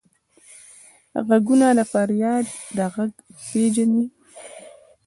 غوږونه د فریاد غږ پېژني